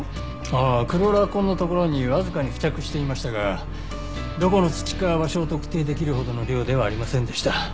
ああクローラー痕の所にわずかに付着していましたがどこの土か場所を特定できるほどの量ではありませんでした。